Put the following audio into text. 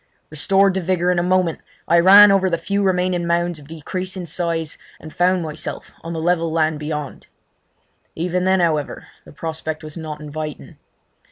Restored to vigour in a moment, I ran over the few remaining mounds of decreasing size, and found myself on the level land beyond. Even then, however, the prospect was not inviting.